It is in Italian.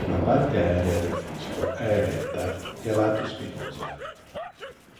La parte aerea del fusto è eretta e alato-spinosa.